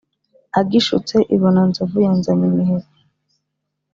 agishutse i bonanzovu ya nzanyimihigo.